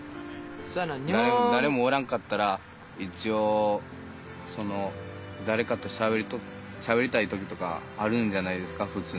誰もおらんかったら一応誰かとしゃべりたい時とかあるんじゃないですか普通の人間は。